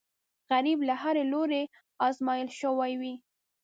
غریب له هرې لورې ازمېیل شوی وي